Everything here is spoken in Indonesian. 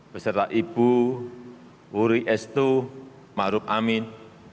beserta ibu wuri estu maruf amin